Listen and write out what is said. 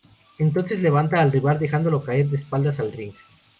Entonces levanta al rival dejándolo caer de espaldas en el ring.